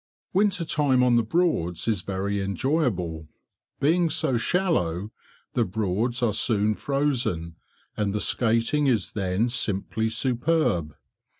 Winter time on the Broads is very enjoyable. Being so shallow, the Broads are soon frozen, and the skating is then simply superb.